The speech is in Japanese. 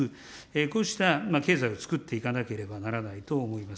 こうした経済を作っていかなければならないと思います。